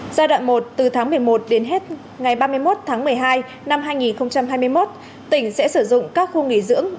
giai đoạn một từ tháng một mươi một đến hết ngày ba mươi một tháng một mươi hai năm hai nghìn hai mươi một tỉnh sẽ sử dụng các khu nghỉ dưỡng